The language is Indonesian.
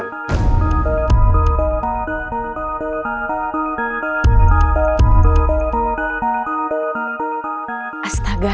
ketika bayu sudah meninggal bayu sudah meninggal